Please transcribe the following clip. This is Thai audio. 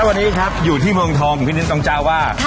สวัสดีครับต่างเกาะของคนอยากรวย